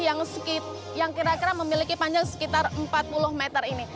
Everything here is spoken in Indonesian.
yang kira kira memiliki panjang sekitar empat puluh meter ini